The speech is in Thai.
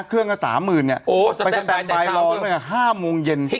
เครื่องกับสามหมื่นเนี้ยโอ้ไปสแตนไบล์รอห้ามวงเย็น